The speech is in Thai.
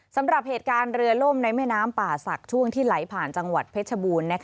สำหรับเหตุการณ์เรือล่มในแม่น้ำป่าศักดิ์ช่วงที่ไหลผ่านจังหวัดเพชรบูรณ์